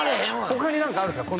他に何かあるんですか？